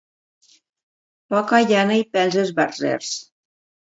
Poca llana i pels esbarzers.